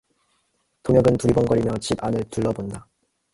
동혁은 두리번거리며 집 안을 둘러본다.